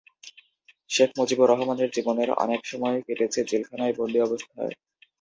শেখ মুজিবুর রহমানের জীবনের অনেক সময়ই কেটেছে জেলখানায় বন্দি অবস্থায়।